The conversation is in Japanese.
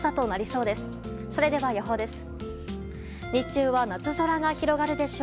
それでは、予報です。